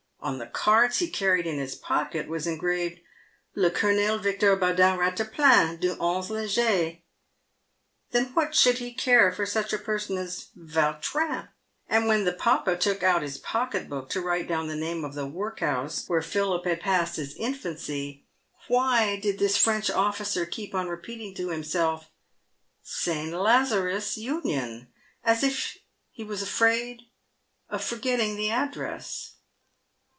On the cards he carried in his pocket was engraved " Le Colonel Victor Baudin Eat taplan, du ll e Leger." Then what should he care for such a person as Yautrin ? And when the papa took out his pocket book to write down .the name of the workhouse where Philip had passed his infancy, !why did this French officer keep on repeating to himself, " St. Lazarua Union," as if he was afraid of forgetting the address